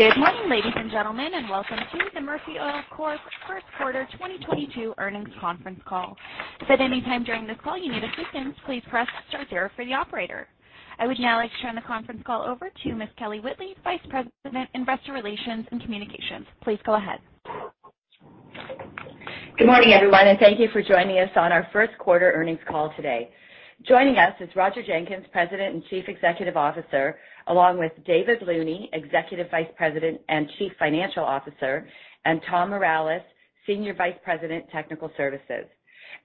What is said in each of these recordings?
Good morning, ladies and gentlemen, and welcome to the Murphy Oil Corp First Quarter 2022 Earnings Conference Call. If at any time during this call you need assistance, please press star zero for the operator. I would now like to turn the conference call over to Ms. Kelly Whitley, Vice President, Investor Relations and Communications. Please go ahead. Good morning, everyone, and thank you for joining us on our first quarter earnings call today. Joining us is Roger Jenkins, President and Chief Executive Officer, along with David Looney, Executive Vice President and Chief Financial Officer, and Thomas Mireles, Senior Vice President, Technical Services.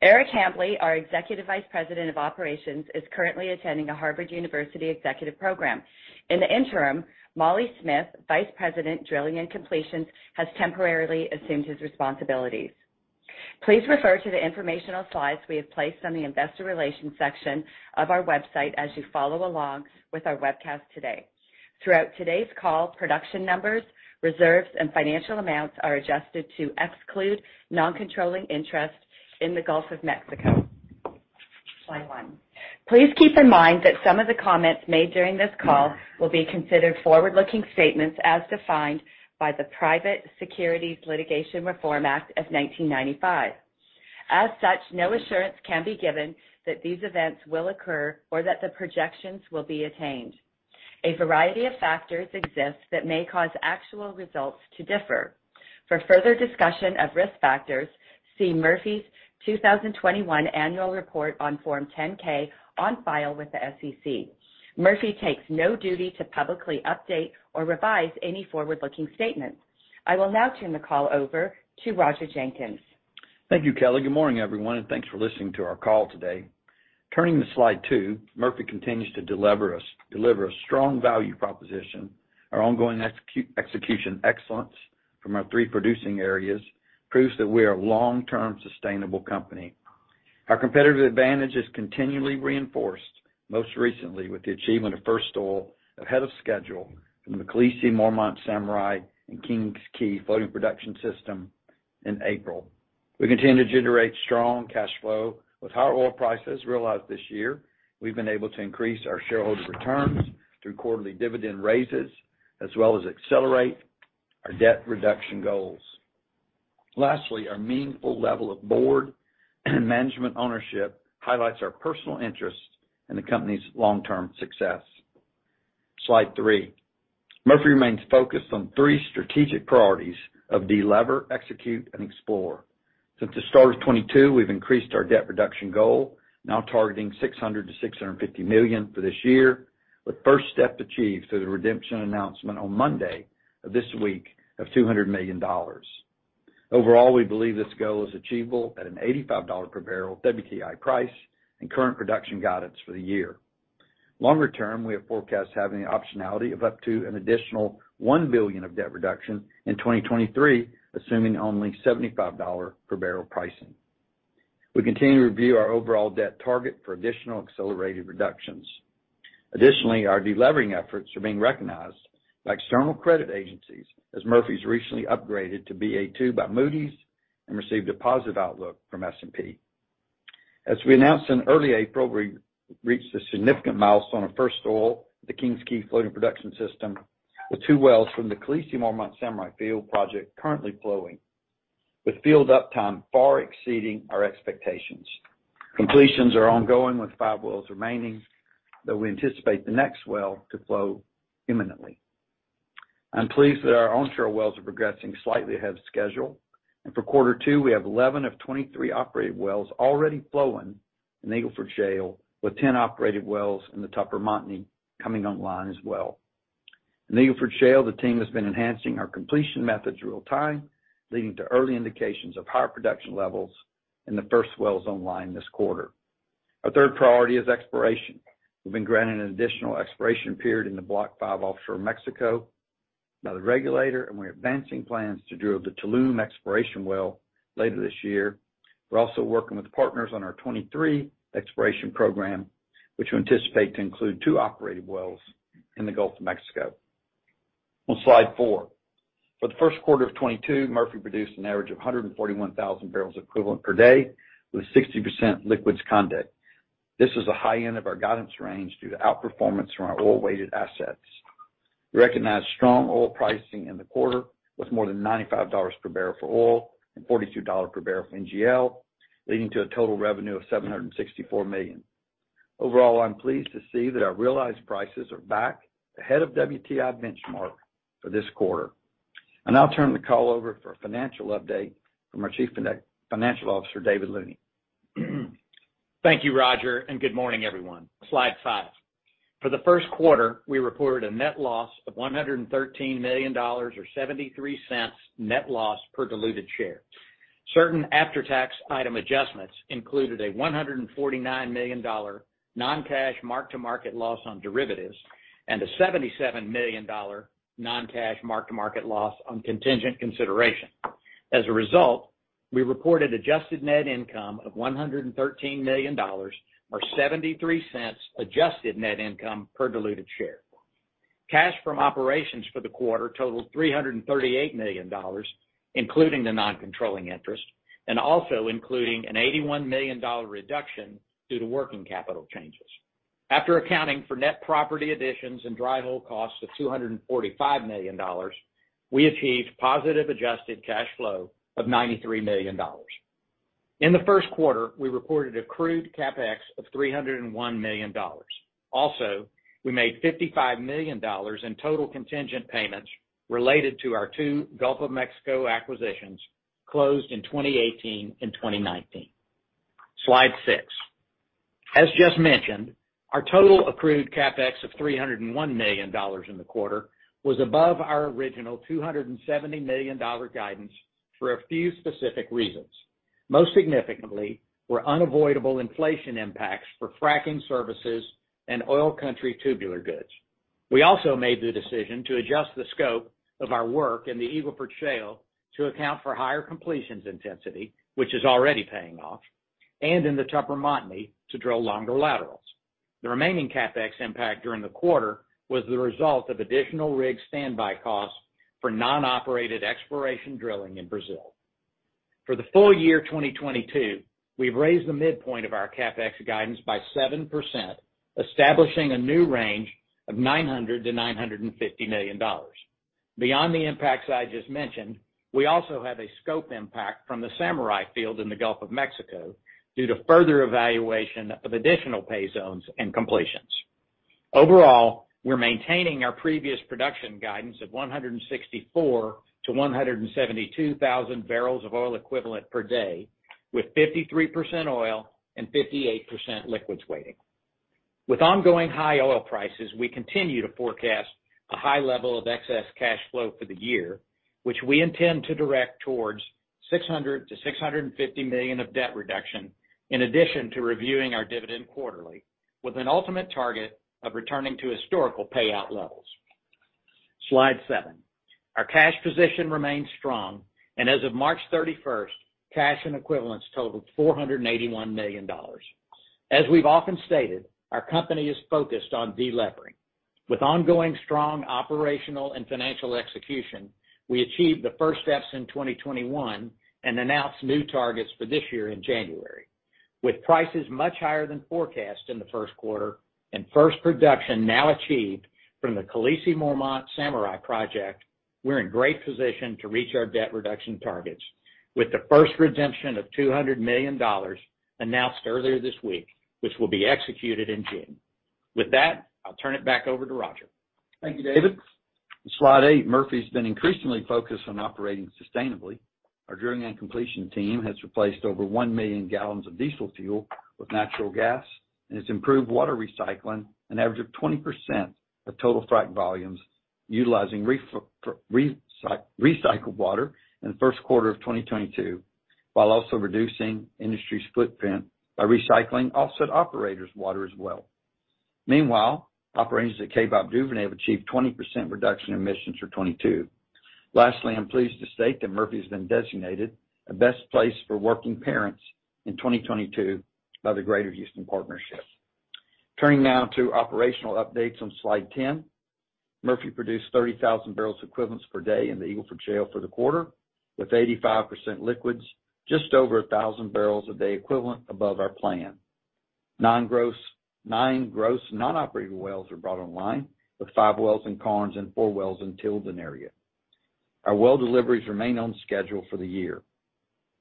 Eric M. Hambly, our Executive Vice President of Operations, is currently attending a Harvard University executive program. In the interim, Molly Smith, Vice President, Drilling and Completions, has temporarily assumed his responsibilities. Please refer to the informational slides we have placed on the investor relations section of our website as you follow along with our webcast today. Throughout today's call, production numbers, reserves, and financial amounts are adjusted to exclude non-controlling interest in the Gulf of Mexico. Slide one. Please keep in mind that some of the comments made during this call will be considered forward-looking statements as defined by the Private Securities Litigation Reform Act of 1995. As such, no assurance can be given that these events will occur or that the projections will be attained. A variety of factors exist that may cause actual results to differ. For further discussion of risk factors, see Murphy's 2021 annual report on Form 10-K on file with the SEC. Murphy takes no duty to publicly update or revise any forward-looking statements. I will now turn the call over to Roger Jenkins. Thank you, Kelly. Good morning, everyone, and thanks for listening to our call today. Turning to slide two, Murphy continues to deliver a strong value proposition. Our ongoing execution excellence from our three producing areas proves that we are a long-term sustainable company. Our competitive advantage is continually reinforced, most recently with the achievement of first oil ahead of schedule from the Khaleesi, Mormont and Samurai and King's Quay Floating Production System in April. We continue to generate strong cash flow. With higher oil prices realized this year, we've been able to increase our shareholder returns through quarterly dividend raises, as well as accelerate our debt reduction goals. Lastly, our meaningful level of board and management ownership highlights our personal interest in the company's long-term success. Slide three. Murphy remains focused on three strategic priorities of delever, execute, and explore. Since the start of 2022, we've increased our debt reduction goal, now targeting $600 million-$650 million for this year, with first step achieved through the redemption announcement on Monday of this week of $200 million. Overall, we believe this goal is achievable at an $85 per barrel WTI price and current production guidance for the year. Longer term, we have forecast having the optionality of up to an additional $1 billion of debt reduction in 2023, assuming only $75 per barrel pricing. We continue to review our overall debt target for additional accelerated reductions. Additionally, our delevering efforts are being recognized by external credit agencies as Murphy's recently upgraded to Ba2 by Moody's and received a positive outlook from S&P. As we announced in early April, we reached a significant milestone of first oil at the King's Quay Floating Production System, with two wells from the Khaleesi, Mormont and Samurai field project currently flowing, with field uptime far exceeding our expectations. Completions are ongoing, with five wells remaining, though we anticipate the next well to flow imminently. I'm pleased that our onshore wells are progressing slightly ahead of schedule. For quarter two, we have 11 of 23 operated wells already flowing in the Eagle Ford Shale, with 10 operated wells in the Tupper Montney coming online as well. In the Eagle Ford Shale, the team has been enhancing our completion methods real time, leading to early indications of higher production levels in the first wells online this quarter. Our third priority is exploration. We've been granted an additional exploration period in the Block 5 offshore Mexico by the regulator, and we're advancing plans to drill the Tulum exploration well later this year. We're also working with partners on our 2023 exploration program, which we anticipate to include two operated wells in the Gulf of Mexico. On Slide four. For the first quarter of 2022, Murphy produced an average of 141,000 barrels equivalent per day, with 60% liquids content. This is the high end of our guidance range due to outperformance from our oil-weighted assets. We recognized strong oil pricing in the quarter, with more than $95 per barrel for oil and $42 per barrel for NGL, leading to a total revenue of $764 million. Overall, I'm pleased to see that our realized prices are back ahead of WTI benchmark for this quarter. I now turn the call over for a financial update from our Chief Financial Officer, David Looney. Thank you, Roger, and good morning, everyone. Slide five. For the first quarter, we reported a net loss of $113 million or $0.73 net loss per diluted share. Certain after-tax item adjustments included a $149 million non-cash mark-to-market loss on derivatives and a $77 million non-cash mark-to-market loss on contingent consideration. As a result, we reported adjusted net income of $113 million or $0.73 adjusted net income per diluted share. Cash from operations for the quarter totaled $338 million, including the non-controlling interest. Also including an $81 million reduction due to working capital changes. After accounting for net property additions and dry hole costs of $245 million, we achieved positive adjusted cash flow of $93 million. In the first quarter, we reported accrued CapEx of $301 million. We made $55 million in total contingent payments related to our two Gulf of Mexico acquisitions closed in 2018 and 2019. Slide six. As just mentioned, our total accrued CapEx of $301 million in the quarter was above our original $270 million guidance for a few specific reasons. Most significantly, were unavoidable inflation impacts for fracking services and oil country tubular goods. We also made the decision to adjust the scope of our work in the Eagle Ford Shale to account for higher completions intensity, which is already paying off, and in the Tupper Montney to drill longer laterals. The remaining CapEx impact during the quarter was the result of additional rig standby costs for non-operated exploration drilling in Brazil. For the full year 2022, we've raised the midpoint of our CapEx guidance by 7%, establishing a new range of $900 million-$950 million. Beyond the impacts I just mentioned, we also have a scope impact from the Samurai field in the Gulf of Mexico due to further evaluation of additional pay zones and completions. Overall, we're maintaining our previous production guidance of 164,000-172,000 barrels of oil equivalent per day, with 53% oil and 58% liquids weighting. With ongoing high oil prices, we continue to forecast a high level of excess cash flow for the year, which we intend to direct towards $600 million-$650 million of debt reduction in addition to reviewing our dividend quarterly, with an ultimate target of returning to historical payout levels. Slide seven. Our cash position remains strong, and as of March 31, cash and equivalents totaled $481 million. As we've often stated, our company is focused on delevering. With ongoing strong operational and financial execution, we achieved the first steps in 2021 and announced new targets for this year in January. With prices much higher than forecast in the first quarter and first production now achieved from the Khaleesi, Mormont and Samurai project, we're in great position to reach our debt reduction targets. With the first redemption of $200 million announced earlier this week, which will be executed in June. With that, I'll turn it back over to Roger. Thank you, David. Slide eight. Murphy's been increasingly focused on operating sustainably. Our drilling and completion team has replaced over one million gallons of diesel fuel with natural gas and has improved water recycling an average of 20% of total frac volumes utilizing recycled water in the first quarter of 2022, while also reducing industry's footprint by recycling offset operators' water as well. Meanwhile, operations at Kaybob Duvernay have achieved 20% reduction in emissions for 2022. Lastly, I'm pleased to state that Murphy's been designated a best place for working parents in 2022 by the Greater Houston Partnership. Turning now to operational updates on slide 10. Murphy produced 30,000 barrels equivalents per day in the Eagle Ford Shale for the quarter, with 85% liquids just over 1,000 barrels a day equivalent above our plan. Nine gross non-operated wells were brought online, with five wells in Karnes and four wells in Tilden area. Our well deliveries remain on schedule for the year.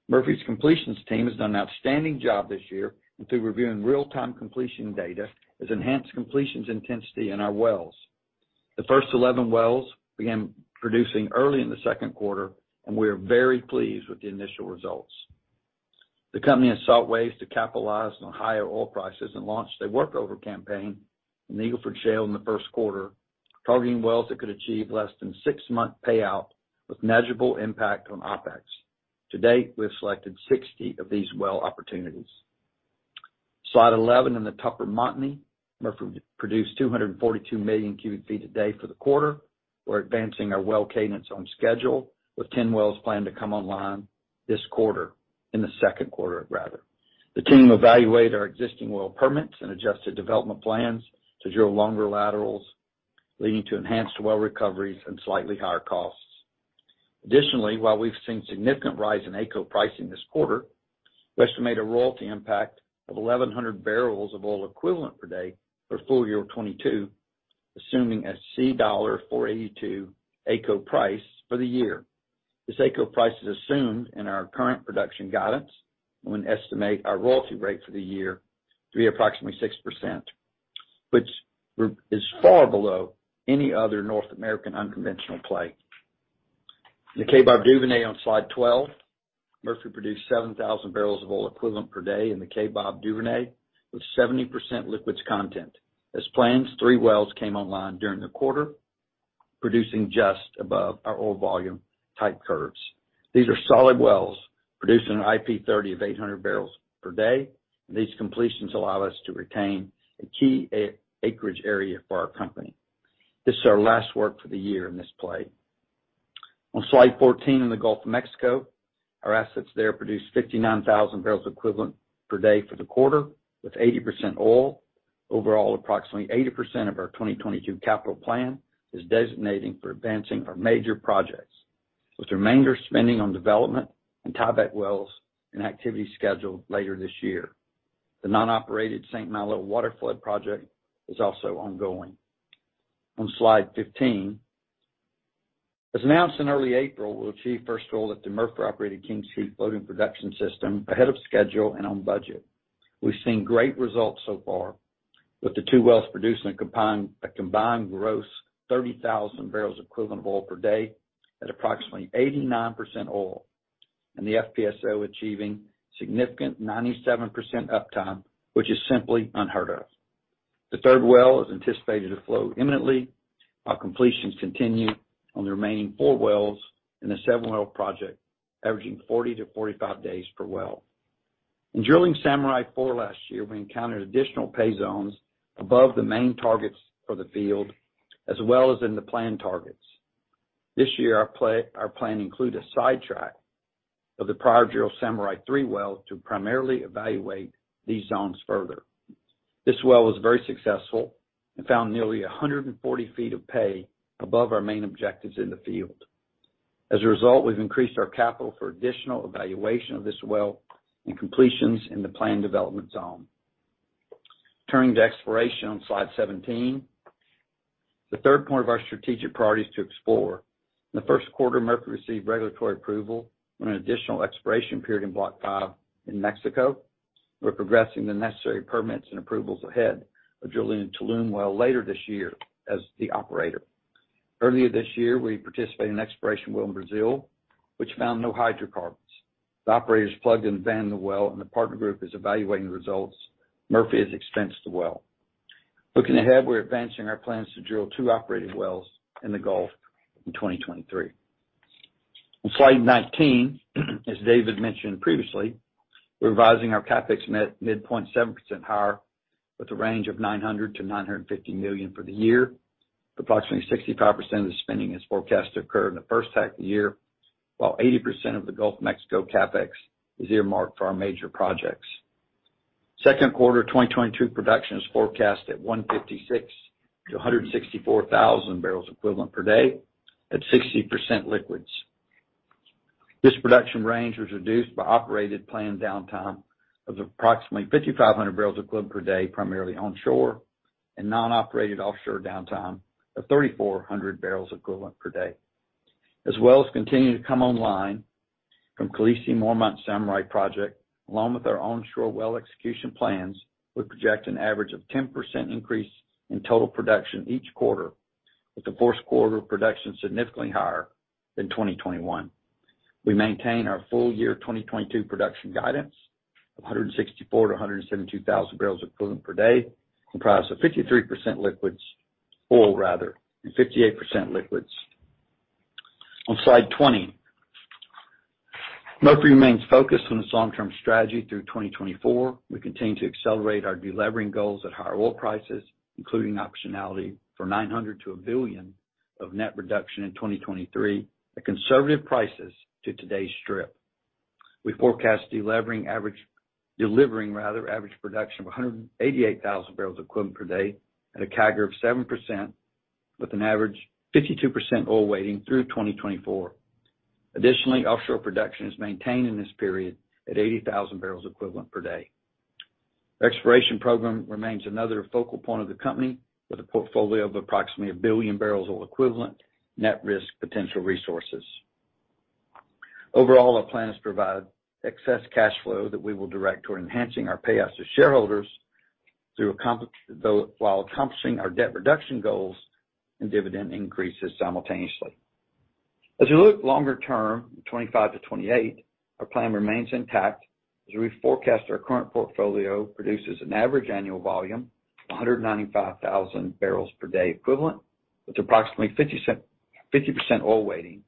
Murphy's completions team has done an outstanding job this year and through reviewing real-time completion data, has enhanced completions intensity in our wells. The first 11 wells began producing early in the second quarter, and we are very pleased with the initial results. The company has sought ways to capitalize on higher oil prices and launched a workover campaign in the Eagle Ford Shale in the first quarter, targeting wells that could achieve less than six-month payout with measurable impact on OpEx. To date, we have selected 60 of these well opportunities. Slide 11 in the Tupper-Montney. Murphy produced 242 million cubic feet a day for the quarter. We're advancing our well cadence on schedule, with 10 wells planned to come online this quarter, in the second quarter, rather. The team evaluate our existing well permits and adjusted development plans to drill longer laterals, leading to enhanced well recoveries and slightly higher costs. Additionally, while we've seen significant rise in AECO pricing this quarter, we estimate a royalty impact of 1,100 barrels of oil equivalent per day for full year of 2022, assuming a 4.82 AECO price for the year. This AECO price is assumed in our current production guidance and we estimate our royalty rate for the year to be approximately 6%, which is far below any other North American unconventional play. The Kaybob Duvernay on slide 12. Murphy produced 7,000 barrels of oil equivalent per day in the Kaybob Duvernay with 70% liquids content. As planned, three wells came online during the quarter, producing just above our oil volume type curves. These are solid wells producing an IP30 of 800 barrels per day, and these completions allow us to retain a key acreage area for our company. This is our last work for the year in this play. On slide 14 in the Gulf of Mexico, our assets there produced 59,000 barrels equivalent per day for the quarter, with 80% oil. Overall, approximately 80% of our 2022 capital plan is designated for advancing our major projects, with the remainder spent on development and tieback wells and activity scheduled later this year. The non-operated St. Malo Waterflood project is also ongoing. On slide 15. As announced in early April, we'll achieve first oil at the Murphy-operated King's Quay floating production system ahead of schedule and on budget. We've seen great results so far, with the two wells producing a combined gross 30,000 barrels equivalent oil per day at approximately 89% oil, and the FPSO achieving significant 97% uptime, which is simply unheard of. The third well is anticipated to flow imminently while completions continue on the remaining four wells in the seven-well project, averaging 40-45 days per well. In drilling Samurai #4 last year, we encountered additional pay zones above the main targets for the field, as well as in the plan targets. This year, our plan include a sidetrack of the prior drilled Samurai #3 well to primarily evaluate these zones further. This well was very successful and found nearly 140 feet of pay above our main objectives in the field. As a result, we've increased our capital for additional evaluation of this well and completions in the planned development zone. Turning to exploration on slide 17. The third point of our strategic priority is to explore. In the first quarter, Murphy received regulatory approval on an additional exploration period in Block 5 in Mexico. We're progressing the necessary permits and approvals ahead of drilling Tulum well later this year as the operator. Earlier this year, we participated in an exploration well in Brazil, which found no hydrocarbons. The operators plugged and abandoned the well, and the partner group is evaluating the results. Murphy has expensed the well. Looking ahead, we're advancing our plans to drill two operated wells in the Gulf in 2023. On slide 19, as David mentioned previously, we're revising our CapEx midpoint 7% higher with a range of $900-$950 million for the year. Approximately 65% of the spending is forecast to occur in the first half of the year, while 80% of the Gulf of Mexico CapEx is earmarked for our major projects. Second quarter 2022 production is forecast at 156-164 thousand barrels equivalent per day at 60% liquids. This production range was reduced by operated planned downtime of approximately 5,500 barrels equivalent per day, primarily onshore, and non-operated offshore downtime of 3,400 barrels equivalent per day. As wells continue to come online from Khaleesi, Mormont, and Samurai project, along with our onshore well execution plans, we project an average of 10% increase in total production each quarter, with the fourth quarter production significantly higher than 2021. We maintain our full year 2022 production guidance of 164,000-172,000 barrels equivalent per day, comprised of 53% liquids, oil rather, and 58% liquids. On slide 20. Murphy remains focused on its long-term strategy through 2024. We continue to accelerate our delevering goals at higher oil prices, including optionality for $900 million-$1 billion of net reduction in 2023 at conservative prices to today's strip. We forecast delivering rather average production of 188,000 barrels equivalent per day at a CAGR of 7% with an average 52% oil weighting through 2024. Additionally, offshore production is maintained in this period at 80,000 barrels equivalent per day. Exploration program remains another focal point of the company with a portfolio of approximately a billion barrels oil equivalent net risk potential resources. Overall, our plan is to provide excess cash flow that we will direct toward enhancing our payouts to shareholders while accomplishing our debt reduction goals and dividend increases simultaneously. As we look longer term, 25-28, our plan remains intact as we forecast our current portfolio produces an average annual volume of 195,000 barrels per day equivalent with approximately 50% oil weighting,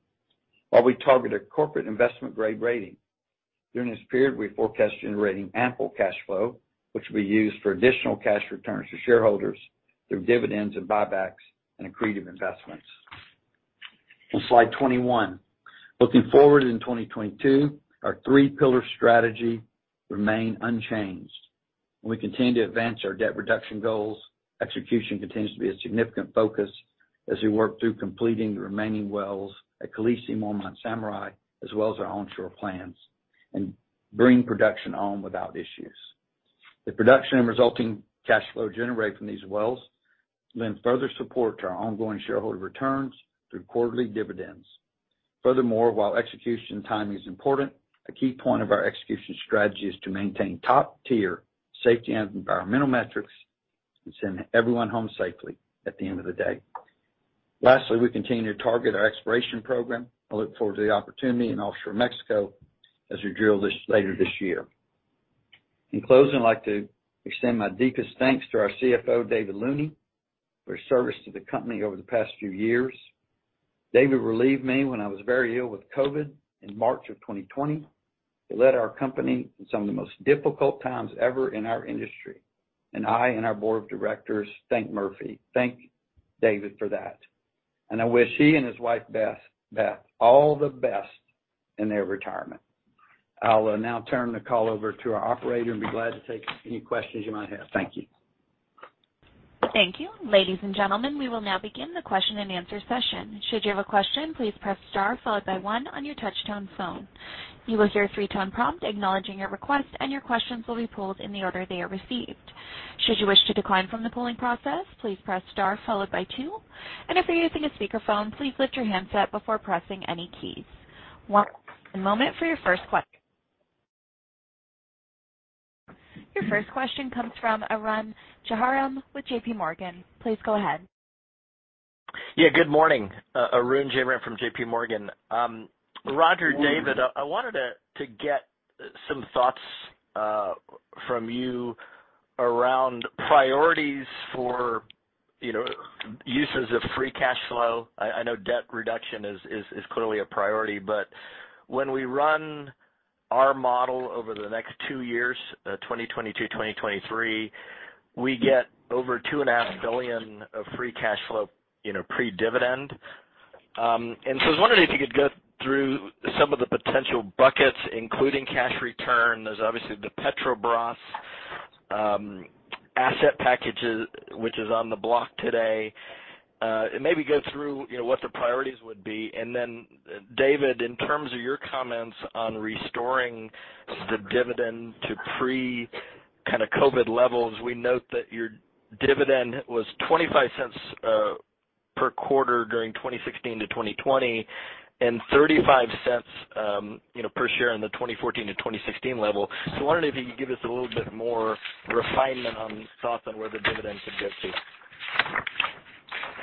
while we target a corporate investment-grade rating. During this period, we forecast generating ample cash flow, which will be used for additional cash returns to shareholders through dividends and buybacks and accretive investments. On slide 21. Looking forward in 2022, our three-pillar strategy remain unchanged. We continue to advance our debt reduction goals. Execution continues to be a significant focus as we work through completing the remaining wells at Khaleesi, Mormont, Samurai, as well as our onshore plans, and bring production on without issues. The production and resulting cash flow generated from these wells lend further support to our ongoing shareholder returns through quarterly dividends. Furthermore, while execution timing is important, a key point of our execution strategy is to maintain top-tier safety and environmental metrics and send everyone home safely at the end of the day. Lastly, we continue to target our exploration program and look forward to the opportunity in offshore Mexico as we drill this later this year. In closing, I'd like to extend my deepest thanks to our CFO, David Looney, for his service to the company over the past few years. David relieved me when I was very ill with COVID in March of 2020. He led our company in some of the most difficult times ever in our industry, and I and our board of directors thank David for that. I wish he and his wife Beth all the best in their retirement. I'll now turn the call over to our operator and be glad to take any questions you might have. Thank you. Thank you. Ladies and gentlemen, we will now begin the question-and-answer session. Should you have a question, please press star followed by one on your touch-tone phone. You will hear a three-tone prompt acknowledging your request, and your questions will be pooled in the order they are received. Should you wish to decline from the pooling process, please press star followed by two. If you're using a speakerphone, please lift your handset before pressing any keys. Your first question comes from Arun Jayaram with J.P. Morgan. Please go ahead. Good morning. Arun Jayaram from J.P. Morgan. Roger, David, I wanted to get some thoughts from you around priorities for, you know, uses of free cash flow. I know debt reduction is clearly a priority, but when we run our model over the next two years, 2022, 2023, we get over $2.5 billion of free cash flow, you know, pre-dividend. I was wondering if you could go through some of the potential buckets, including cash return. There's obviously the Petrobras asset packages, which is on the block today. Maybe go through, you know, what the priorities would be. David, in terms of your comments on restoring the dividend to pre kind of COVID levels, we note that your dividend was $0.25 per quarter during 2016-2020, and $0.35, you know, per share in the 2014-2016 level. I wondered if you could give us a little bit more refinement on thoughts on where the dividend could get to.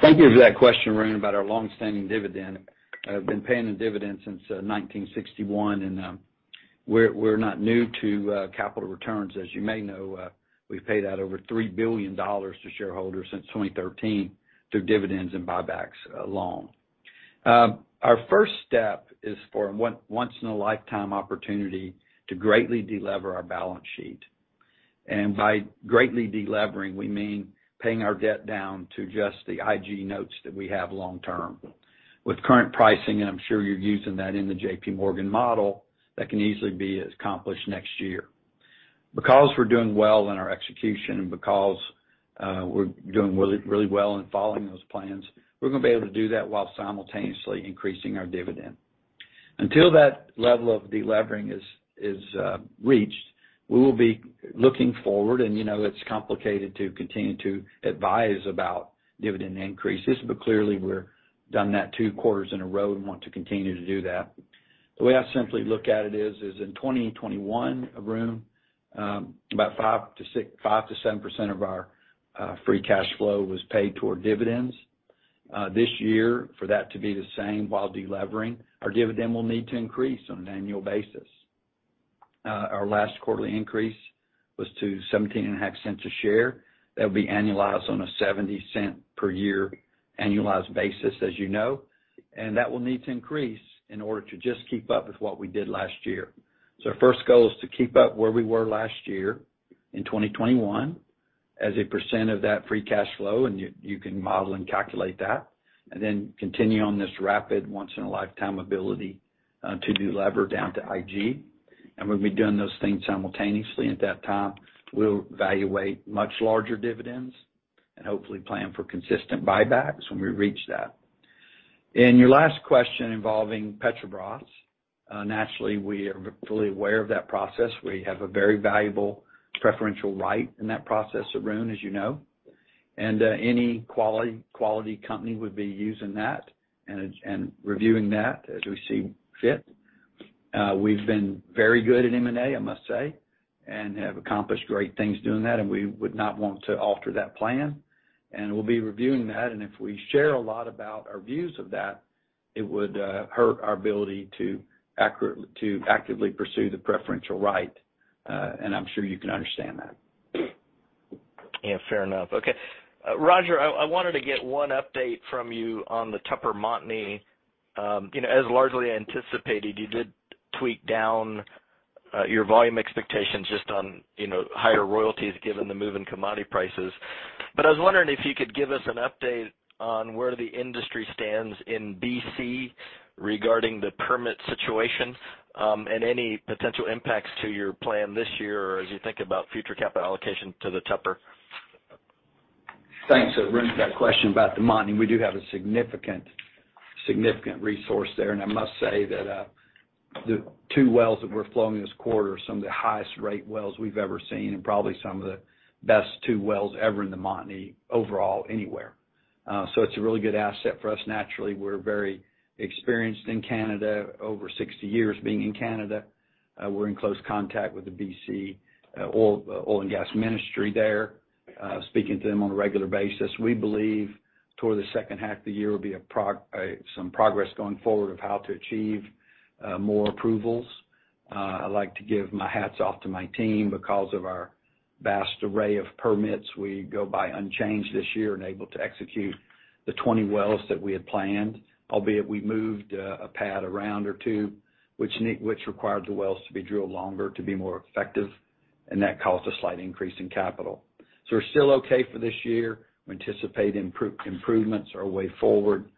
Thank you for that question, Arun, about our long-standing dividend. We've been paying a dividend since 1961, and we're not new to capital returns. As you may know, we've paid out over $3 billion to shareholders since 2013 through dividends and buybacks alone. Our first step is for a once-in-a-lifetime opportunity to greatly delever our balance sheet. By greatly delevering, we mean paying our debt down to just the IG notes that we have long-term. With current pricing, and I'm sure you're using that in the J.P. Morgan model, that can easily be accomplished next year. Because we're doing well in our execution and because we're doing really, really well in following those plans, we're gonna be able to do that while simultaneously increasing our dividend. Until that level of delevering is reached, we will be looking forward, and you know it's complicated to continue to advise about dividend increases, but clearly we've done that two quarters in a row and want to continue to do that. The way I simply look at it is in 2021, Arun, about 5%-7% of our free cash flow was paid toward dividends. This year, for that to be the same while delevering, our dividend will need to increase on an annual basis. Our last quarterly increase was to $0.175 per share. That would be annualized on a $0.70 per year annualized basis, as you know, and that will need to increase in order to just keep up with what we did last year. Our first goal is to keep up where we were last year in 2021 as a % of that free cash flow, and you can model and calculate that, and then continue on this rapid once in a lifetime ability to delever down to IG. When we've done those things simultaneously, at that time, we'll evaluate much larger dividends and hopefully plan for consistent buybacks when we reach that. In your last question involving Petrobras, naturally, we are fully aware of that process. We have a very valuable preferential right in that process, Arun, as you know. Any quality company would be using that and reviewing that as we see fit. We've been very good at M&A, I must say, and have accomplished great things doing that, and we would not want to alter that plan. We'll be reviewing that, and if we share a lot about our views of that, it would hurt our ability to actively pursue the preferential right, and I'm sure you can understand that. Yeah, fair enough. Okay. Roger, I wanted to get one update from you on the Tupper Montney. You know, as largely anticipated, you did tweak down your volume expectations just on, you know, higher royalties given the move in commodity prices. I was wondering if you could give us an update on where the industry stands in BC regarding the permit situation, and any potential impacts to your plan this year or as you think about future capital allocation to the Tupper. Thanks, Arun, for that question about the Montney. We do have a significant resource there. I must say that the two wells that we're flowing this quarter are some of the highest rate wells we've ever seen and probably some of the best two wells ever in the Montney overall anywhere. So it's a really good asset for us. Naturally, we're very experienced in Canada, over 60 years being in Canada. We're in close contact with the BC Oil and Gas Ministry there, speaking to them on a regular basis. We believe toward the second half of the year will be some progress going forward of how to achieve more approvals. I'd like to give my hats off to my team because of our vast array of permits. We go budget unchanged this year and able to execute the 20 wells that we had planned, albeit we moved a pad around or two, which required the wells to be drilled longer to be more effective, and that caused a slight increase in capital. We're still okay for this year. We anticipate improvements going forward.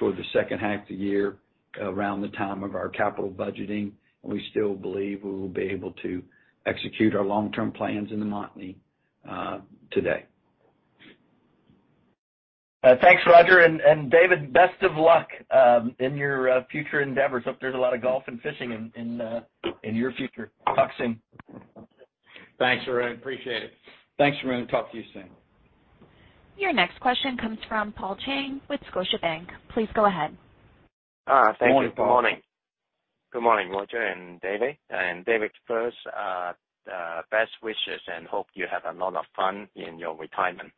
For the second half of the year around the time of our capital budgeting, we still believe we will be able to execute our long-term plans in the Montney today. Thanks, Roger. David, best of luck in your future endeavors. Hope there's a lot of golf and fishing in your future. Talk soon. Thanks, Arun. Appreciate it. Thanks, Arun. Talk to you soon. Your next question comes from Paul Cheng with Scotiabank. Please go ahead. Morning, Paul. Thank you. Good morning. Good morning, Roger and David. David first, best wishes and hope you have a lot of fun in your retirement,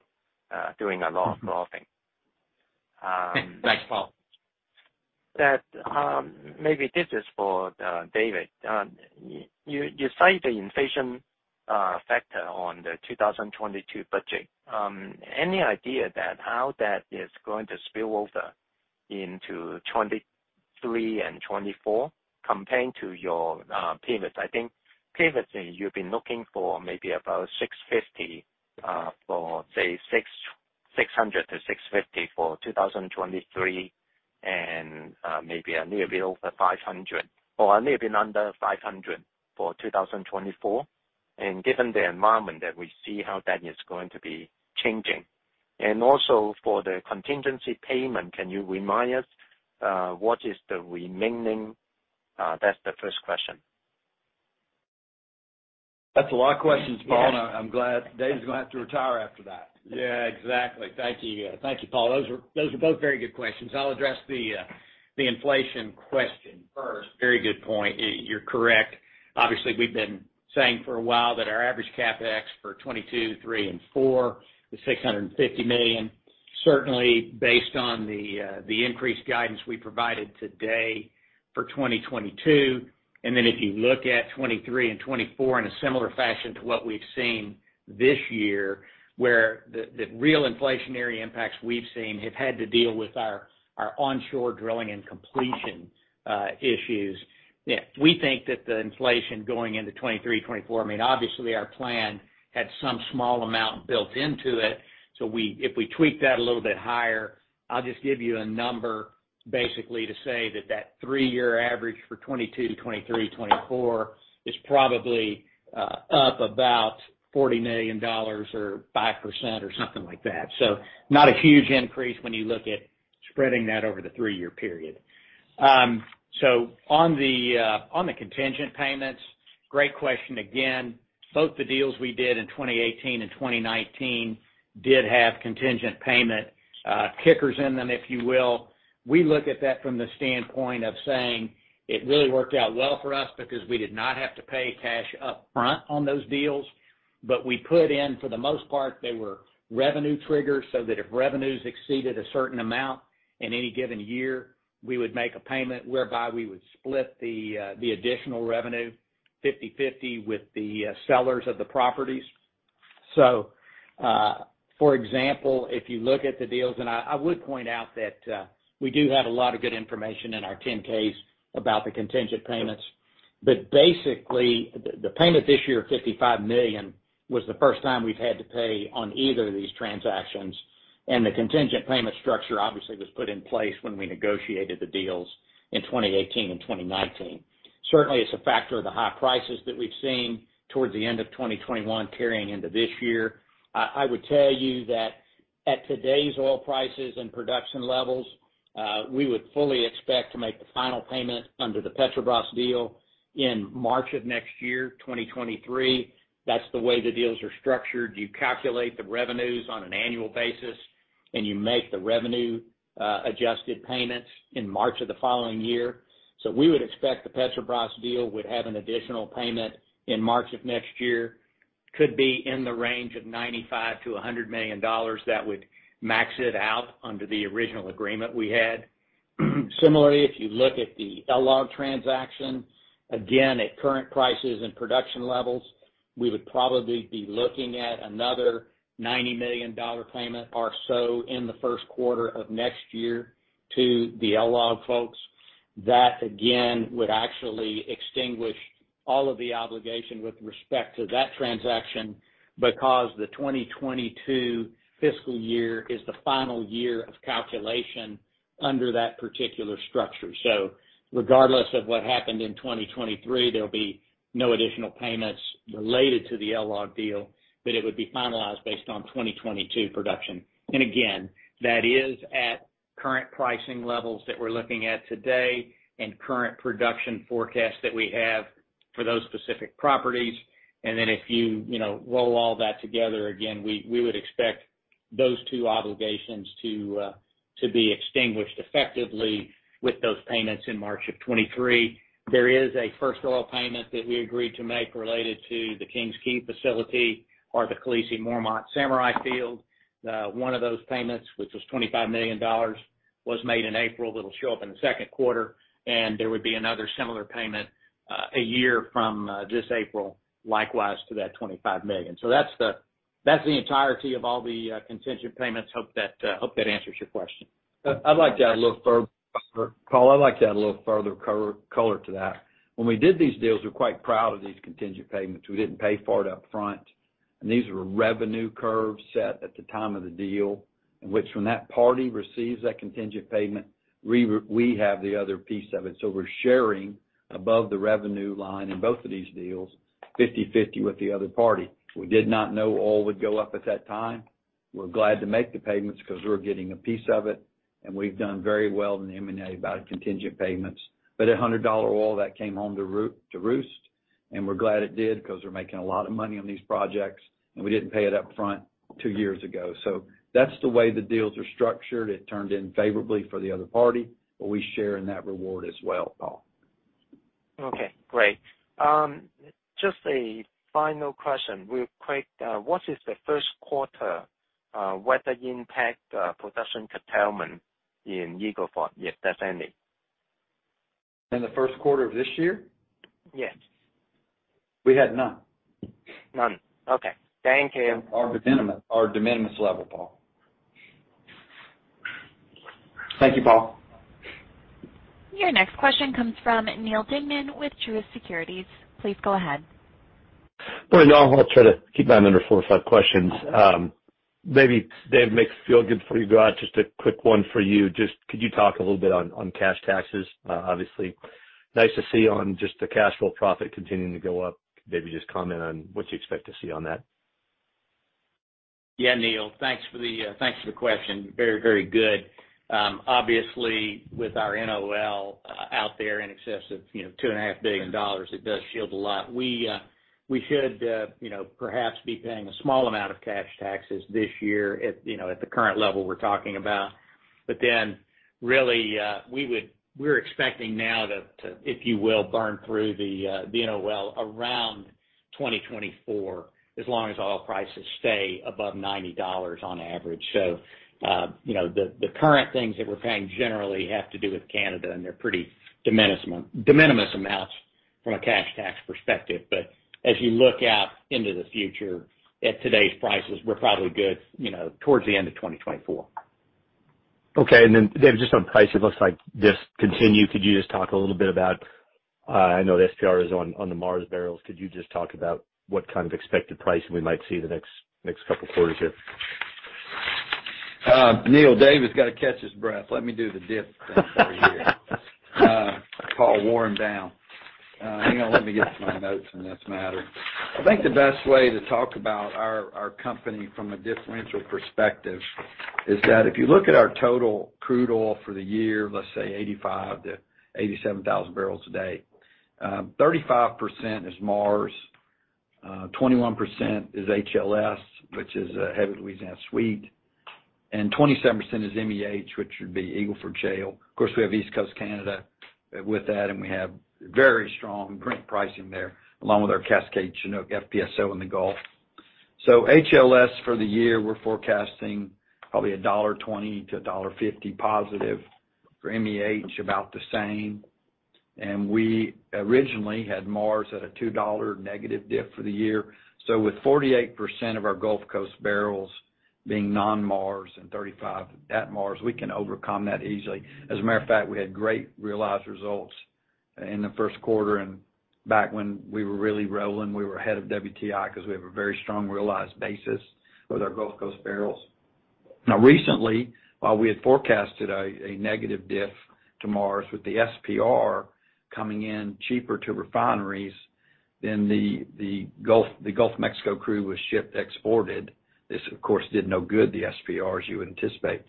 doing a lot of golfing. Thanks, Paul. Maybe this is for David. You cite the inflation factor on the 2022 budget. Any idea how that is going to spill over into 2023 and 2024 comparing to your pivots? I think you've been looking for maybe about 650, for, say, 600-650 for 2023 and maybe a little bit over 500 or a little bit under 500 for 2024. Given the environment that we see how that is going to be changing. Also for the contingency payment, can you remind us what is the remaining? That's the first question. That's a lot of questions, Paul. Yes. I'm glad, David's gonna have to retire after that. Yeah, exactly. Thank you. Thank you, Paul. Those were, those are both very good questions. I'll address the inflation question first. Very good point. You're correct. Obviously, we've been saying for a while that our average CapEx for 2022, 2023 and 2024 is $650 million. Certainly based on the increased guidance we provided today for 2022. Then if you look at 2023 and 2024 in a similar fashion to what we've seen this year, where the real inflationary impacts we've seen have had to deal with our onshore drilling and completion issues. We think that the inflation going into 2023, 2024, I mean, obviously, our plan had some small amount built into it. If we tweak that a little bit higher, I'll just give you a number basically to say that that three-year average for 2022, 2023, 2024 is probably up about $40 million or 5% or something like that. Not a huge increase when you look at spreading that over the three-year period. On the contingent payments, great question again. Both the deals we did in 2018 and 2019 did have contingent payment kickers in them, if you will. We look at that from the standpoint of saying it really worked out well for us because we did not have to pay cash up front on those deals. We put in, for the most part, they were revenue triggers so that if revenues exceeded a certain amount in any given year, we would make a payment whereby we would split the additional revenue 50/50 with the sellers of the properties. For example, if you look at the deals, and I would point out that we do have a lot of good information in our 10-Ks about the contingent payments. Basically, the payment this year of $55 million was the first time we've had to pay on either of these transactions, and the contingent payment structure obviously was put in place when we negotiated the deals in 2018 and 2019. Certainly, it's a factor of the high prices that we've seen towards the end of 2021 carrying into this year. I would tell you that at today's oil prices and production levels, we would fully expect to make the final payment under the Petrobras deal in March of next year, 2023. That's the way the deals are structured. You calculate the revenues on an annual basis, and you make the revenue adjusted payments in March of the following year. We would expect the Petrobras deal would have an additional payment in March of next year, could be in the range of $95 million-$100 million. That would max it out under the original agreement we had. Similarly, if you look at the LLOG transaction, again, at current prices and production levels, we would probably be looking at another $90 million payment or so in the first quarter of next year to the LLOG folks. That, again, would actually extinguish all of the obligation with respect to that transaction because the 2022 fiscal year is the final year of calculation under that particular structure. Regardless of what happened in 2023, there'll be no additional payments related to the LLOG deal, but it would be finalized based on 2022 production. That is at current pricing levels that we're looking at today and current production forecasts that we have for those specific properties. If you know, roll all that together, we would expect those two obligations to be extinguished effectively with those payments in March of 2023. There is a first oil payment that we agreed to make related to the King's Quay facility or the Khaleesi, Mormont, Samurai field. One of those payments, which was $25 million, was made in April. That'll show up in the second quarter, and there would be another similar payment a year from this April, likewise to that $25 million. That's the entirety of all the contingent payments. Hope that answers your question. Paul, I'd like to add a little further color to that. When we did these deals, we're quite proud of these contingent payments. We didn't pay for it up front. These were revenue curves set at the time of the deal, in which when that party receives that contingent payment, we have the other piece of it. We're sharing above the revenue line in both of these deals, 50/50 with the other party. We did not know oil would go up at that time. We're glad to make the payments because we're getting a piece of it, and we've done very well in the M&A by contingent payments. At $100 oil, that came home to roost, and we're glad it did because we're making a lot of money on these projects, and we didn't pay it up front two years ago. That's the way the deals are structured. It turned out favorably for the other party, but we share in that reward as well, Paul. Okay, great. Just a final question real quick. What is the first quarter weather impact, production curtailment in Eagle Ford, if there's any? In the first quarter of this year? Yes. We had none. None. Okay. Thank you. Our de minimis level, Paul. Thank you, Paul. Your next question comes from Neal Dingmann with Truist Securities. Please go ahead. Good. I'll try to keep mine under four or five questions. Maybe Dave, make you feel good before you go out, just a quick one for you. Just could you talk a little bit on cash taxes? Obviously nice to see and just the cash flow profit continuing to go up. Maybe just comment on what you expect to see on that. Yeah, Neal. Thanks for the question. Very good. Obviously with our NOL out there in excess of $2.5 billion, it does shield a lot. We should perhaps be paying a small amount of cash taxes this year at the current level we're talking about. But then really, we're expecting now to, if you will, burn through the NOL around 2024, as long as oil prices stay above $90 on average. The current things that we're paying generally have to do with Canada, and they're pretty de minimis amounts from a cash tax perspective. As you look out into the future, at today's prices, we're probably good, you know, towards the end of 2024. Okay. David, just on price, it looks like this continues. Could you just talk a little bit about, I know the SPR is on the Mars barrels. Could you just talk about what kind of expected price we might see the next couple of quarters here? Neal, Dave has got to catch his breath. Let me do the diff thing for you here. Paul wore him down. Hang on. Let me get my notes on this matter. I think the best way to talk about our company from a differential perspective is that if you look at our total crude oil for the year, let's say 85,000-87,000 barrels a day, 35% is Mars, 21% is HLS, which is Heavy Louisiana Sweet, and 27% is MEH, which would be Eagle Ford Shale. Of course, we have East Coast Canada with that, and we have very strong pricing there, along with our Cascade Chinook FPSO in the Gulf. HLS for the year, we're forecasting probably $1.20-$1.50 positive. For MEH, about the same. We originally had Mars at a $2 negative diff for the year. With 48% of our Gulf Coast barrels being non-Mars and 35% at Mars, we can overcome that easily. As a matter of fact, we had great realized results in the first quarter and back when we were really rolling, we were ahead of WTI because we have a very strong realized basis with our Gulf Coast barrels. Now recently, while we had forecasted a negative diff to Mars with the SPR coming in cheaper to refineries than the Gulf of Mexico crude was shipped, exported. This, of course, did no good to the SPRs you would anticipate.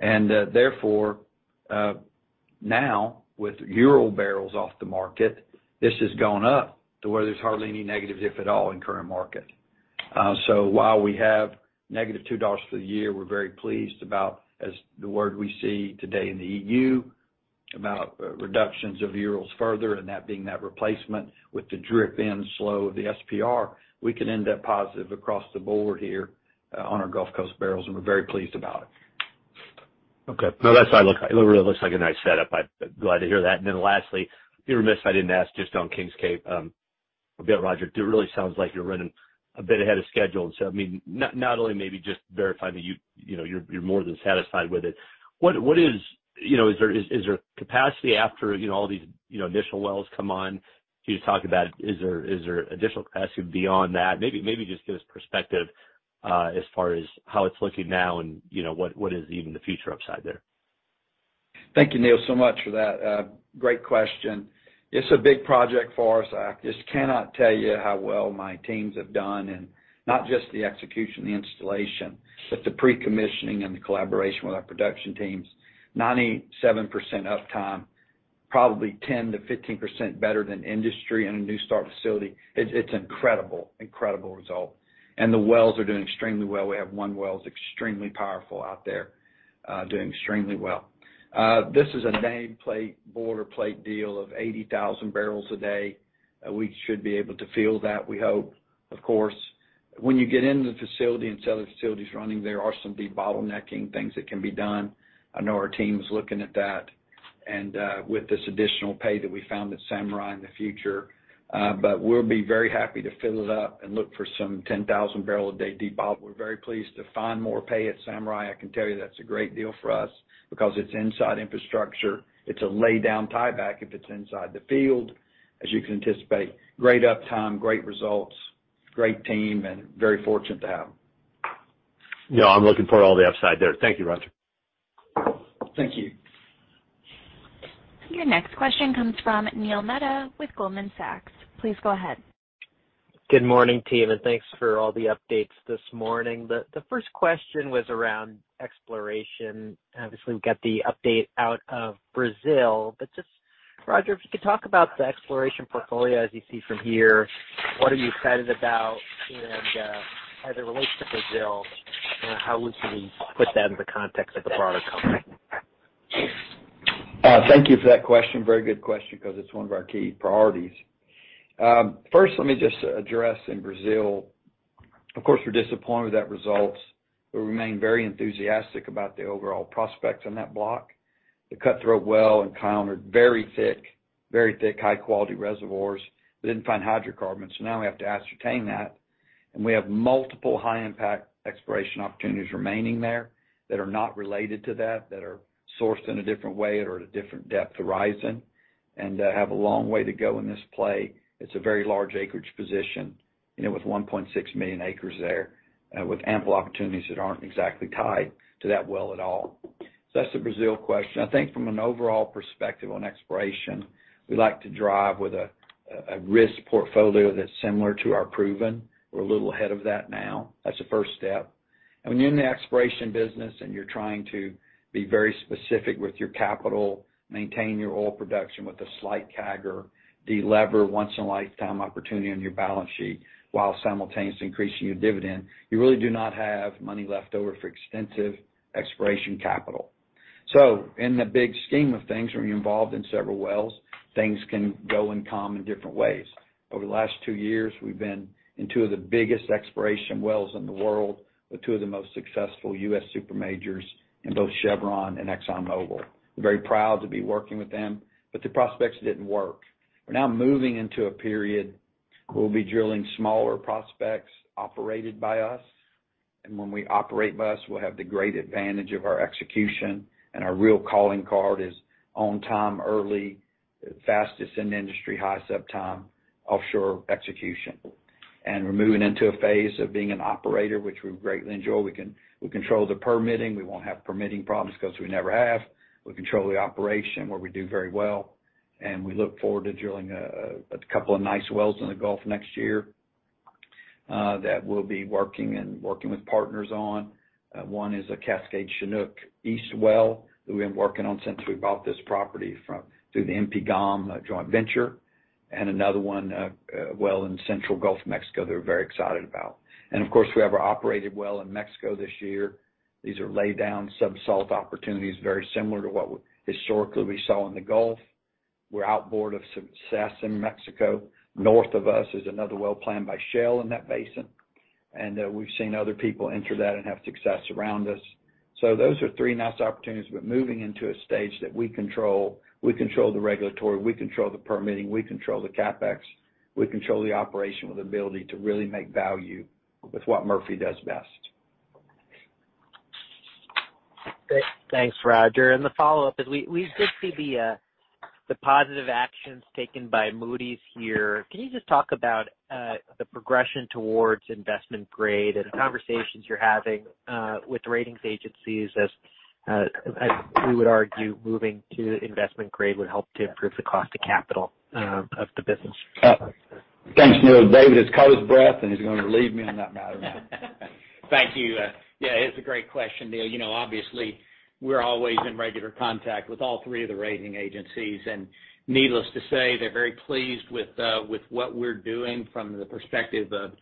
Therefore, now with European barrels off the market, this has gone up to where there's hardly any negative diff at all in the current market. While we have negative $2 for the year, we're very pleased about, as the news we see today from the EU about further reductions in Europe and that being the replacement with the drawdown of the SPR, we can end up positive across the board here on our Gulf Coast barrels, and we're very pleased about it. Okay. It really looks like a nice setup. I'm glad to hear that. Then lastly, be remiss if I didn't ask just on King's Quay, a bit, Roger, it really sounds like you're running a bit ahead of schedule. I mean, not only maybe just verifying that you know you're more than satisfied with it. You know, is there capacity after you know all these initial wells come on to talk about? Is there additional capacity beyond that? Maybe just give us perspective as far as how it's looking now and you know what is even the future upside there. Thank you, Neal, so much for that. Great question. It's a big project for us. I just cannot tell you how well my teams have done in not just the execution, the installation, but the pre-commissioning and the collaboration with our production teams. 97% uptime, probably 10%-15% better than industry in a new start facility. It's an incredible result. The wells are doing extremely well. We have one well that's extremely powerful out there, doing extremely well. This is a nameplate, boilerplate deal of 80,000 barrels a day. We should be able to fill that, we hope, of course. When you get into the facility and see how the facility is running, there are some debottlenecking things that can be done. I know our team is looking at that, and with this additional pay that we found at Samurai in the future. We'll be very happy to fill it up and look for some 10,000 barrel a day de-bottleneck. We're very pleased to find more pay at Samurai. I can tell you that's a great deal for us because it's existing infrastructure. It's a laid-down tieback if it's inside the field. As you can anticipate, great uptime, great results, great team, and very fortunate to have. Yeah, I'm looking for all the upside there. Thank you, Roger. Thank you. Your next question comes from Neil Mehta with Goldman Sachs. Please go ahead. Good morning, team, and thanks for all the updates this morning. The first question was around exploration. Obviously, we've got the update out of Brazil, but just, Roger, if you could talk about the exploration portfolio as you see from here, what are you excited about? As it relates to Brazil, how would you put that into context of the broader company? Thank you for that question. Very good question, 'cause it's one of our key priorities. First, let me just address in Brazil, of course, we're disappointed with that results. We remain very enthusiastic about the overall prospects on that block. The Cutthroat well encountered very thick high-quality reservoirs. We didn't find hydrocarbons, so now we have to ascertain that. We have multiple high impact exploration opportunities remaining there that are not related to that are sourced in a different way or at a different depth horizon, and have a long way to go in this play. It's a very large acreage position, you know, with 1.6 million acres there, with ample opportunities that aren't exactly tied to that well at all. That's the Brazil question. I think from an overall perspective on exploration, we like to drive with a risk portfolio that's similar to our proven. We're a little ahead of that now. That's the first step. When you're in the exploration business and you're trying to be very specific with your capital, maintain your oil production with a slight CAGR, delever once-in-a-lifetime opportunity on your balance sheet while simultaneously increasing your dividend, you really do not have money left over for extensive exploration capital. In the big scheme of things, when you're involved in several wells, things can go and come in different ways. Over the last two years, we've been in two of the biggest exploration wells in the world with two of the most successful U.S. super majors in both Chevron and ExxonMobil. We're very proud to be working with them, but the prospects didn't work. We're now moving into a period where we'll be drilling smaller prospects operated by us. When we operated by us, we'll have the great advantage of our execution, and our real calling card is on time, early, fastest in the industry, high uptime offshore execution. We're moving into a phase of being an operator, which we greatly enjoy. We control the permitting. We won't have permitting problems 'cause we never have. We control the operation, where we do very well, and we look forward to drilling a couple of nice wells in the Gulf next year, that we'll be working with partners on. One is a Cascade Chinook East well that we've been working on since we bought this property through the MP Gulf of Mexico joint venture, and another one, well in central Gulf of Mexico that we're very excited about. Of course, we have our operated well in Mexico this year. These are low downside sub-salt opportunities, very similar to what historically we saw in the Gulf. We're outboard of success in Mexico. North of us is another well planned by Shell in that basin. We've seen other people enter that and have success around us. Those are three nice opportunities. We're moving into a stage that we control. We control the regulatory, we control the permitting, we control the CapEx, we control the operation with the ability to really make value with what Murphy does best. Great. Thanks, Roger. The follow-up is we did see the positive actions taken by Moody's here. Can you just talk about the progression towards investment grade and the conversations you're having with the ratings agencies as we would argue moving to investment grade would help to improve the cost of capital of the business? Thanks, Neil. David has caught his breath, and he's gonna relieve me on that matter now. Thank you. Yeah, it's a great question, Neil. You know, obviously, we're always in regular contact with all three of the rating agencies. Needless to say, they're very pleased with what we're doing from the perspective of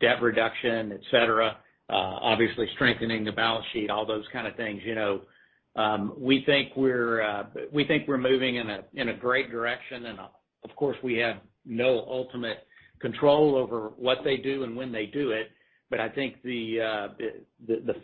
debt reduction, et cetera. Obviously strengthening the balance sheet, all those kind of things. You know, we think we're moving in a great direction. Of course, we have no ultimate control over what they do and when they do it. I think the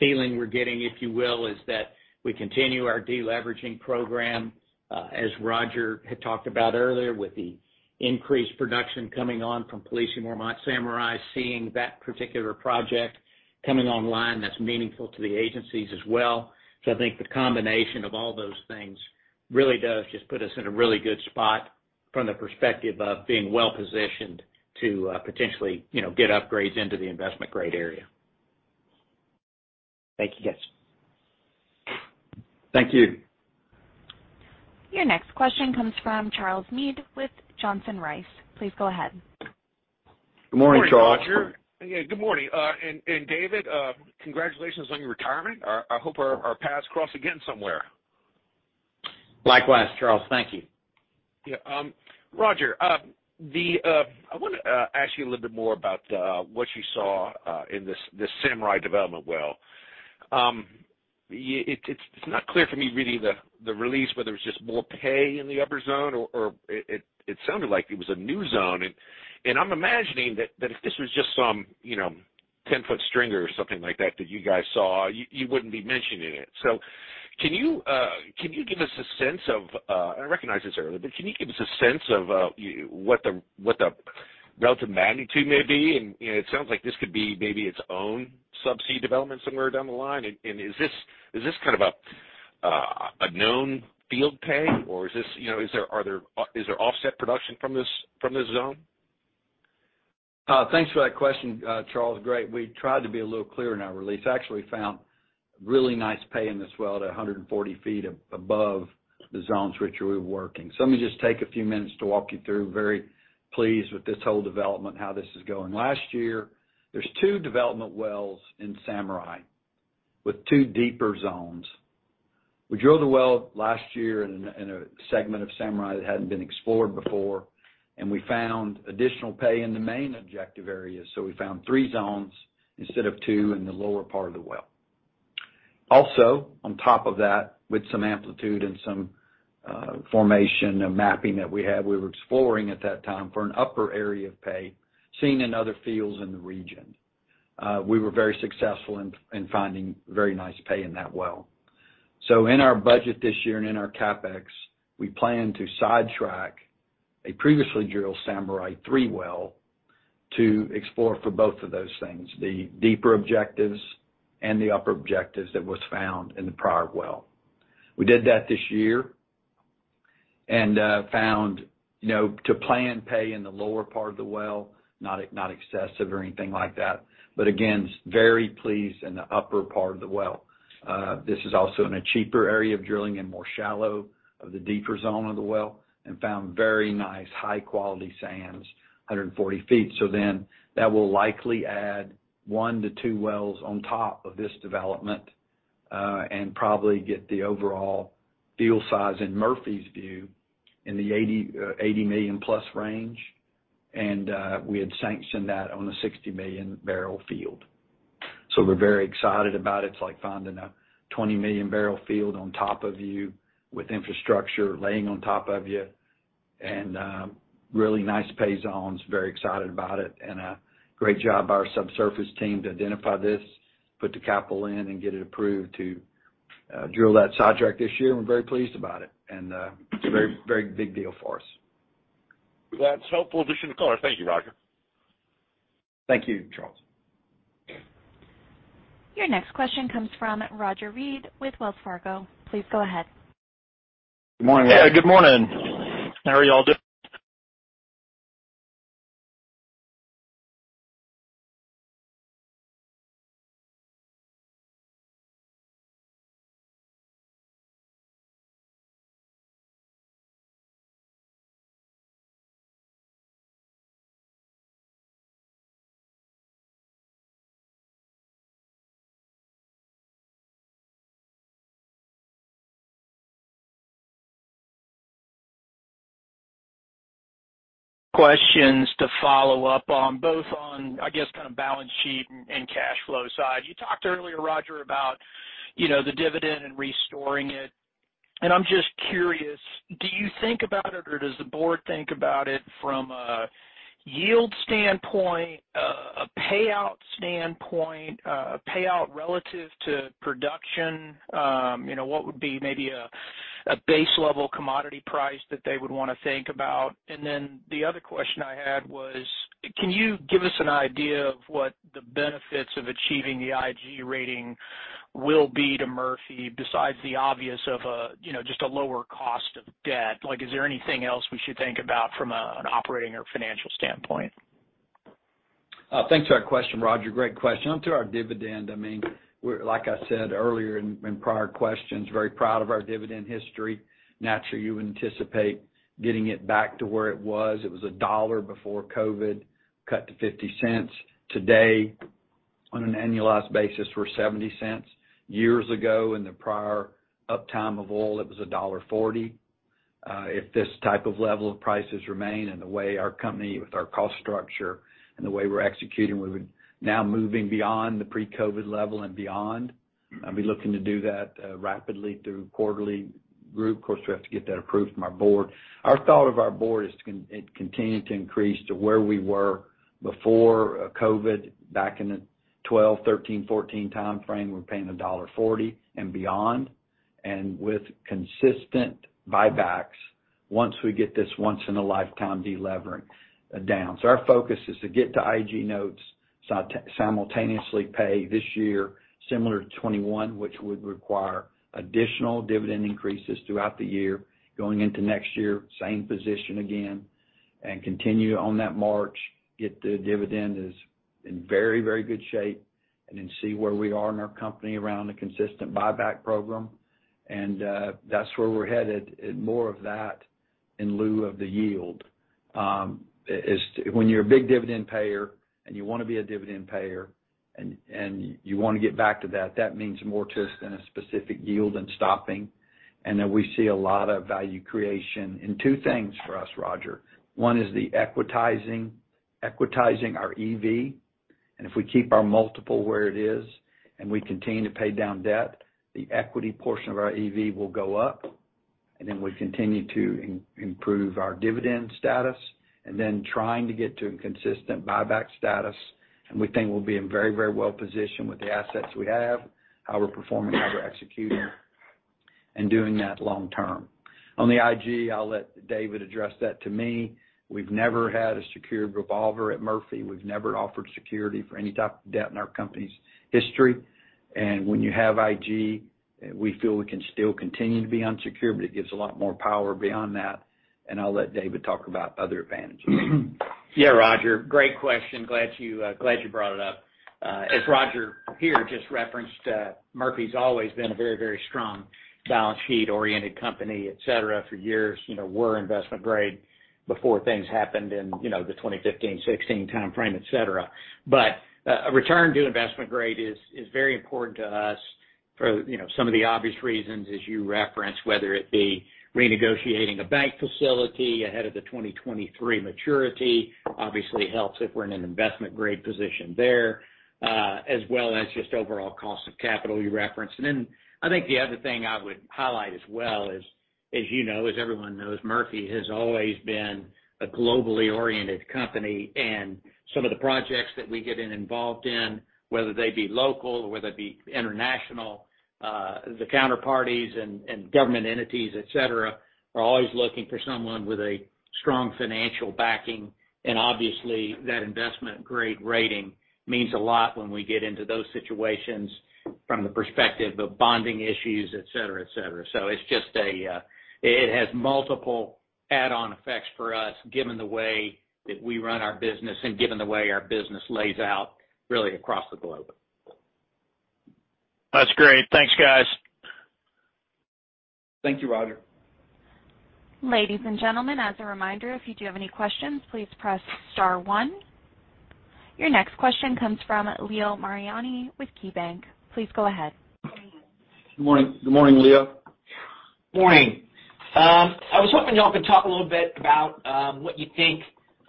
feeling we're getting, if you will, is that we continue our deleveraging program, as Roger had talked about earlier with the increased production coming on from Khaleesi, Mormont and Samurai, seeing that particular project coming online, that's meaningful to the agencies as well. I think the combination of all those things really does just put us in a really good spot from the perspective of being well-positioned to, potentially, you know, get upgrades into the investment grade area. Thank you, guys. Thank you. Your next question comes from Charles Meade with Johnson Rice. Please go ahead. Good morning, Charles. Good morning, Roger. Yeah, good morning. David, congratulations on your retirement. I hope our paths cross again somewhere. Likewise, Charles. Thank you. Yeah. Roger, I wanna ask you a little bit more about what you saw in this Samurai development well. It's not clear for me reading the release whether it's just more pay in the upper zone or it sounded like it was a new zone. I'm imagining that if this was just some, you know, 10-ft stringer or something like that that you guys saw, you wouldn't be mentioning it. Can you give us a sense of, and I recognized this earlier, but can you give us a sense of what the relative magnitude may be? You know, it sounds like this could be maybe its own subsea development somewhere down the line. Is this kind of a known field pay or is this, you know, is there offset production from this zone? Thanks for that question, Charles. Great. We tried to be a little clearer in our release. Actually found really nice pay in this well at 140 feet above the zones which we were working. Let me just take a few minutes to walk you through. Very pleased with this whole development, how this is going. Last year, there's two development wells in Samurai with two deeper zones. We drilled a well last year in a segment of Samurai that hadn't been explored before, and we found additional pay in the main objective areas. We found three zones instead of two in the lower part of the well. On top of that, with some amplitude and some formation and mapping that we had, we were exploring at that time for an upper area of pay seen in other fields in the region. We were very successful in finding very nice pay in that well. In our budget this year and in our CapEx, we plan to sidetrack a previously drilled Samurai #3 well to explore for both of those things, the deeper objectives and the upper objectives that was found in the prior well. We did that this year and found, you know, the planned pay in the lower part of the well, not excessive or anything like that, but again, very pleased in the upper part of the well. This is also in a cheaper area of drilling and more shallow of the deeper zone of the well and found very nice high-quality sands, 140 feet. That will likely add one-two wells on top of this development, and probably get the overall deal size in Murphy's view in the $80 million-plus range, and we had sanctioned that on a 60 million barrel field. We're very excited about it. It's like finding a 20 million barrel field on top of you with infrastructure laying on top of you, and really nice pay zones. Very excited about it. A great job by our subsurface team to identify this, put the capital in, and get it approved to drill that sidetrack this year. We're very pleased about it, and it's a very, very big deal for us. That's a helpful addition of color. Thank you, Roger. Thank you, Charles. Your next question comes from Roger Read with Wells Fargo. Please go ahead. Good morning. Yeah. Good morning. How are you all doing? Questions to follow up on both the balance sheet and cash flow side. You talked earlier, Roger, about, you know, the dividend and restoring it, and I'm just curious. Do you think about it, or does the board think about it from a yield standpoint, a payout standpoint, a payout relative to production? You know, what would be maybe a base level commodity price that they would wanna think about? The other question I had was, can you give us an idea of what the benefits of achieving the IG rating will be to Murphy besides the obvious of a, you know, just a lower cost of debt? Like, is there anything else we should think about from an operating or financial standpoint? Thanks for that question, Roger. Great question. Onto our dividend, I mean, we're like I said earlier in prior questions, very proud of our dividend history. Naturally, you anticipate getting it back to where it was. It was $1 before COVID, cut to $0.50. Today, on an annualized basis, we're $0.70. Years ago, in the prior upturn of oil, it was $1.40. If this type of level of prices remain and the way our company with our cost structure and the way we're executing, we would now moving beyond the pre-COVID level and beyond. I'd be looking to do that rapidly through quarterly group. Of course, we have to get that approved from our board. Our thought of our board is to continue to increase to where we were before COVID back in the 2012, 2013, 2014 timeframe. We're paying $1.40 and beyond. With consistent buybacks, once we get this once in a lifetime delevering down. Our focus is to get to IG notes, simultaneously pay this year similar to 2021, which would require additional dividend increases throughout the year. Going into next year, same position again, and continue on that march, get the dividend is in very, very good shape, and then see where we are in our company around a consistent buyback program. That's where we're headed, and more of that in lieu of the yield. When you're a big dividend payer, and you wanna be a dividend payer, and you wanna get back to that means more to us than a specific yield and stopping. We see a lot of value creation in two things for us, Roger. One is the equitizing our EV. If we keep our multiple where it is and we continue to pay down debt, the equity portion of our EV will go up. We continue to improve our dividend status and then trying to get to a consistent buyback status. We think we'll be very well positioned with the assets we have, how we're performing, how we're executing and doing that long term. On the IG, I'll let David address that. To me, we've never had a secured revolver at Murphy. We've never offered security for any type of debt in our company's history. When you have IG, we feel we can still continue to be unsecured, but it gives a lot more power beyond that. I'll let David talk about other advantages. Yeah, Roger, great question. Glad you brought it up. As Roger here just referenced, Murphy's always been a very, very strong balance sheet-oriented company, et cetera, for years. You know, we're investment grade before things happened in, you know, the 2015, 2016 timeframe, et cetera. A return to investment grade is very important to us for, you know, some of the obvious reasons as you referenced, whether it be renegotiating a bank facility ahead of the 2023 maturity obviously helps if we're in an investment grade position there, as well as just overall cost of capital you referenced. I think the other thing I would highlight as well is, as you know, as everyone knows, Murphy has always been a globally oriented company. Some of the projects that we get involved in, whether they be local or whether they be international, the counterparties and government entities, et cetera, are always looking for someone with a strong financial backing. Obviously, that investment-grade rating means a lot when we get into those situations from the perspective of bonding issues, et cetera. It has multiple add-on effects for us, given the way that we run our business and given the way our business lays out really across the globe. That's great. Thanks, guys. Thank you, Roger. Ladies and gentlemen, as a reminder, if you do have any questions, please press star one. Your next question comes from Leo Mariani with KeyBanc. Please go ahead. Good morning. Good morning, Leo. Morning. I was hoping y'all could talk a little bit about what you think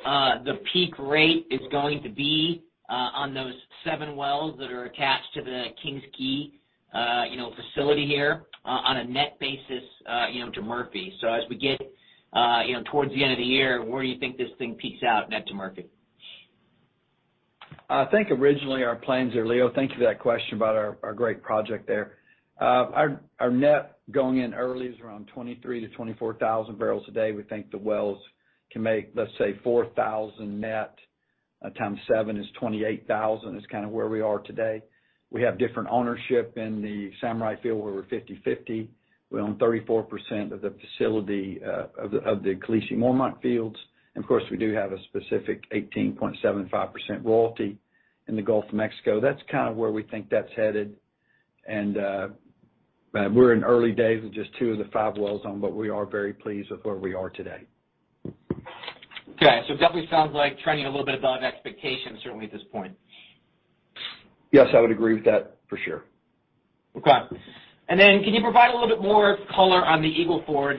the peak rate is going to be on those seven wells that are attached to the King's Quay, you know, facility here on a net basis to Murphy. As we get, you know, towards the end of the year, where do you think this thing peaks out net to Murphy? I think originally our plans are, Leo. Thank you for that question about our great project there. Our net going in early is around 23,000-24,000 barrels a day. We think the wells can make, let's say, 4,000 net times seven is 28,000 is kind of where we are today. We have different ownership in the Samurai field, where we're 50/50. We own 34% of the facility of the Khaleesi, Mormont fields. Of course, we do have a specific 18.75% royalty in the Gulf of Mexico. That's kind of where we think that's headed. We're in early days with just two of the five wells on, but we are very pleased with where we are today. Okay. It definitely sounds like trending a little bit above expectations, certainly at this point. Yes, I would agree with that for sure. Okay. Can you provide a little bit more color on the Eagle Ford?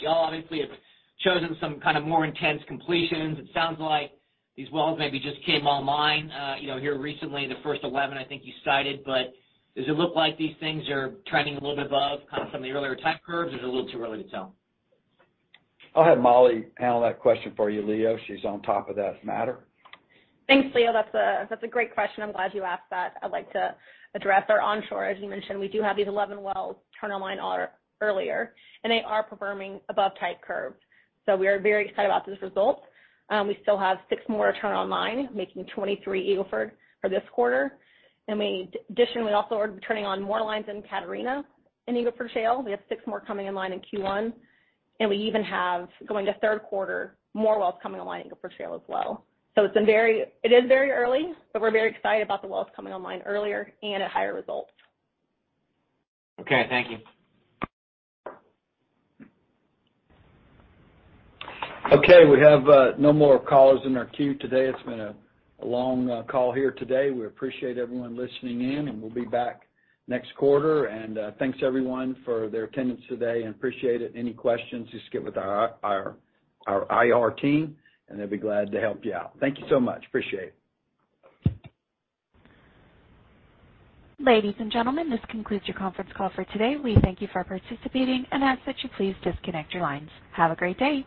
Y'all obviously have chosen some kind of more intense completions. It sounds like these wells maybe just came online, you know, here recently, the first 11, I think you cited. Does it look like these things are trending a little bit above kind of some of the earlier type curves, or is it a little too early to tell? I'll have Molly handle that question for you, Leo. She's on top of that matter. Thanks, Leo. That's a great question. I'm glad you asked that. I'd like to address our onshore. As you mentioned, we do have these 11 wells turn online earlier, and they are performing above type curve. We are very excited about those results. We still have six more to turn online, making 23 Eagle Ford for this quarter. Additionally, we also are turning on more wells in Catarina, in Eagle Ford Shale. We have six more coming online in Q1, and we even have going to third quarter more wells coming online in Eagle Ford Shale as well. It is very early, but we're very excited about the wells coming online earlier and at higher results. Okay. Thank you. Okay. We have no more callers in our queue today. It's been a long call here today. We appreciate everyone listening in, and we'll be back next quarter. Thanks everyone for their attendance today and appreciate it. Any questions, just get with our IR team and they'll be glad to help you out. Thank you so much. Appreciate it. Ladies and gentlemen, this concludes your conference call for today. We thank you for participating and ask that you please disconnect your lines. Have a great day.